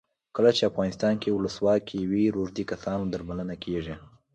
کله چې افغانستان کې ولسواکي وي روږدي کسان درملنه کیږي.